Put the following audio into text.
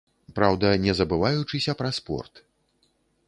Праўда, не забываючыся пра спорт.